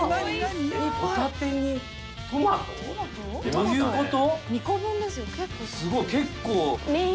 どういうこと？